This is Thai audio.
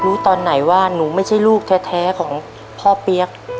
ตอนไหนว่าหนูไม่ใช่ลูกแท้ของพ่อเปี๊ยก